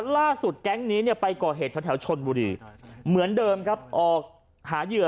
แก๊งนี้เนี่ยไปก่อเหตุแถวชนบุรีเหมือนเดิมครับออกหาเหยื่อ